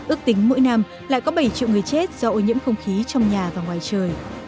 ước tính mỗi năm lại có bảy triệu người chết do ô nhiễm không khí trong nhà và ngoài trời